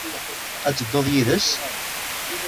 Ad tedduḍ yid-s?